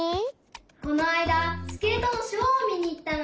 このあいだスケートのショーをみにいったの。